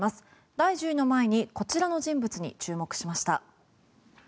第１０位の前にこちらの人物に注目しました。